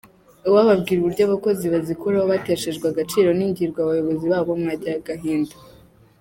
uwababwira uburyo abakozi bazikoraho bateshejwe agaciro n’ingirwa bayobozi babo mwagira agahinda.